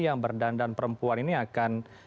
yang berdandan perempuan ini akan